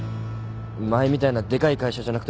前みたいなでかい会社じゃなくてもいい。